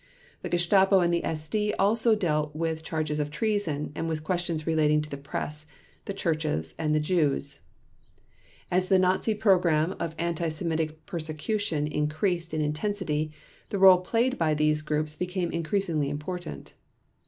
The Gestapo and the SD also dealt with charges of treason and with questions relating to the press, the churches and the Jews. As the Nazi program of anti Semitic persecution increased in intensity the role played by these groups became increasingly important.